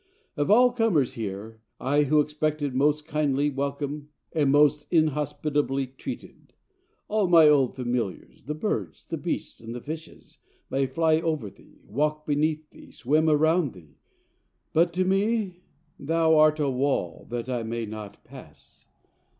Of all comers here, I who expected most kindly welcome am most inhospitably treated. All my old familiars, the birds, the beasts, and the fishes, may fly over thee, walk beneath thee, swim around thee, but to me thou art a wall that I may not pass.